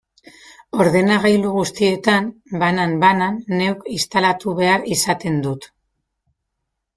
Ordenagailu guztietan, banan-banan, neuk instalatu behar izaten dut.